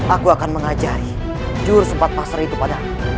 aku akan mengajari jurus empat pasrah itu padamu